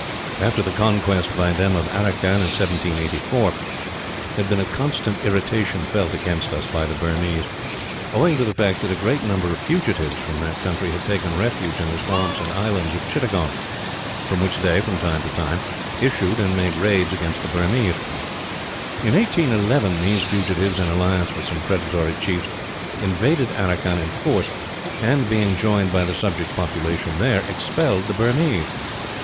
"After the conquest by them of Aracan, in 1784, there had been a constant irritation felt against us by the Burmese; owing to the fact that a great number of fugitives from that country had taken refuge in the swamps and islands of Chittagong; from which they, from time to time, issued and made raids against the Burmese. In 1811 these fugitives, in alliance with some predatory chiefs, invaded Aracan in force and, being joined by the subject population there, expelled the Burmese.